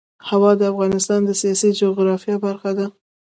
هوا د افغانستان د سیاسي جغرافیه برخه ده.